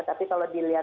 tapi kalau dilihat